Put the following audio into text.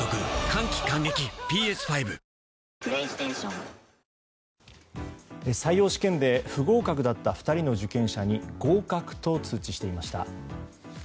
おおーーッ採用試験で不合格だった２人の受験者に合格と通知していました。